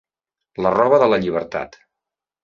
La roba de la llibertat.